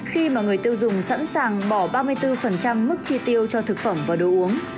khi mà người tiêu dùng sẵn sàng bỏ ba mươi bốn mức chi tiêu cho thực phẩm và đồ uống